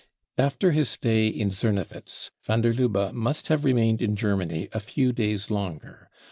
After his stay in Sornewitz van der Lubbe must have remained in Germany a few days longer.